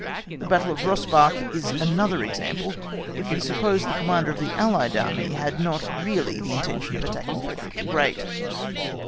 The battle of Rosbach(*) is another example, if we suppose the commander of the allied army had not really the intention of attacking Frederick the Great.